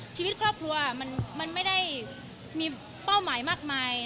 ชีวิตครอบครัวมันไม่ได้มีเป้าหมายมากมาย